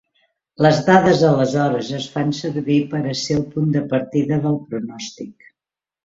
Les dades aleshores es fan servir per a ser el punt de partida del pronòstic.